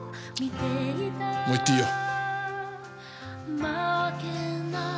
もう行っていいよ。